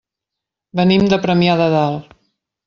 Venim de Premià de Dalt.